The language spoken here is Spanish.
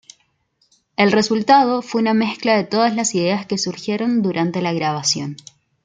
El resultado fue una mezcla de todas las ideas que surgieron durante la grabación.